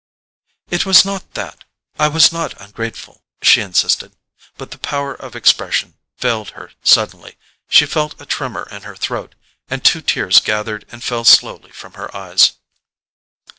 "It was not that—I was not ungrateful," she insisted. But the power of expression failed her suddenly; she felt a tremor in her throat, and two tears gathered and fell slowly from her eyes.